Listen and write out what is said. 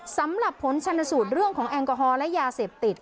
สำหรับผลชนสูตรเรื่องของแอลกอฮอล์และยาเสพติด